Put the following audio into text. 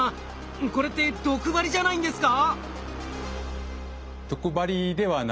これって毒針じゃないんですか？